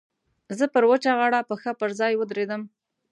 زه پر وچه غاړه پښه پر ځای ودرېدم.